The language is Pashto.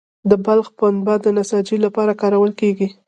د بلخ پنبه د نساجي لپاره کارول کیږي